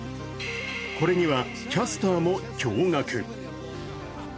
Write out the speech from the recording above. これにはキャスターも驚がく。